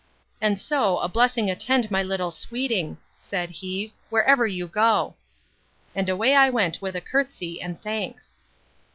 And so a blessing attend my little sweeting, said he, wherever you go! And away went I with a courtesy and thanks.